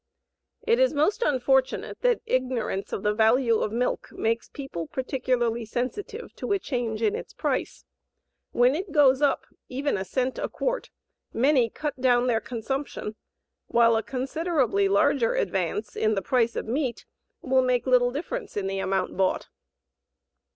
It is most unfortunate that ignorance of the value of milk makes people particularly sensitive to a change in its price. When it goes up even a cent a quart, many cut down their consumption, while a considerably larger advance in the price of meat will make little difference in the amount bought.